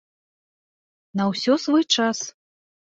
На ўсё свой час!